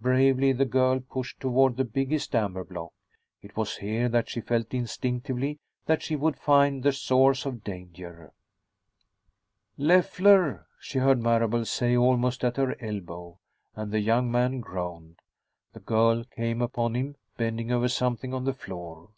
Bravely the girl pushed toward the biggest amber block. It was here that she felt instinctively that she would find the source of danger. "Leffler!" she heard Marable say, almost at her elbow, and the young man groaned. The girl came upon him, bending over something on the floor.